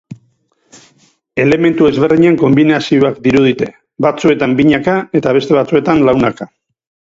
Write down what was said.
Elementu ezberdinen konbinazioak dirudite, batzuetan binaka eta beste batzuetan launaka.